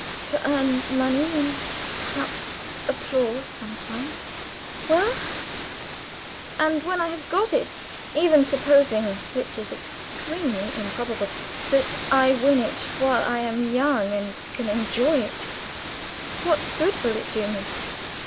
To earn money, and perhaps applause some time. Well, and when I have got it even supposing, which is extremely improbable, that I win it while I am young and can enjoy it what good will it do me?